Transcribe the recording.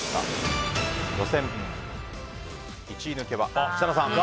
予選の１位抜けは設楽さん。